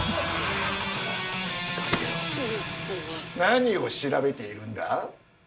何を調べているんだ？